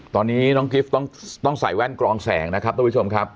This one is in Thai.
ตอนนี้น้องกิฟต์ต้องใส่แว่นกรองแสงนะครับทุกผู้ชมครับ